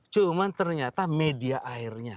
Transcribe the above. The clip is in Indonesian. cuman ternyata media airnya